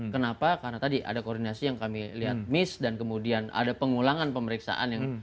kenapa karena tadi ada koordinasi yang kami lihat miss dan kemudian ada pengulangan pemeriksaan yang